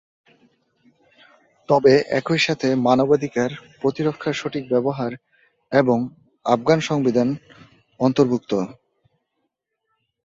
তবে একই সাথে মানবাধিকার, প্রতিরক্ষার সঠিক ব্যবহার এবং আফগান সংবিধান অন্তর্ভুক্ত।